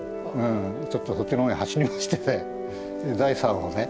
ちょっとそっちの方へ走りまして財産をね